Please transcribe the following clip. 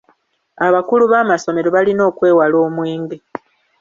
Abakulu b'amasomero balina okwewala omwenge.